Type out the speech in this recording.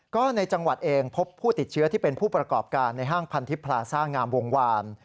ก็ในจังหวัดเองพบผู้ติดเชื้อที่เป็นผู้ประกอบการในห้างพันธิพลาซ่างามวงวาน